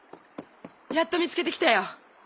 やっと見つけてきたよ。